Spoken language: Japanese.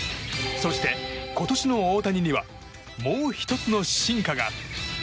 そして今年の大谷にはもう１つの進化が。